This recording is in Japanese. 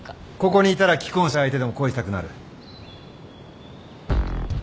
ここにいたら既婚者相手でも恋したくなる？